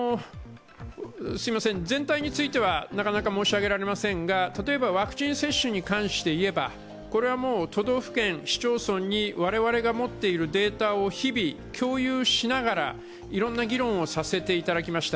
全体については、なかなか申し上げられませんが例えばワクチン接種に関していえば、都道府県、市町村に我々が持っているデータを日々、共有しながらいろんな議論をさせていただきました。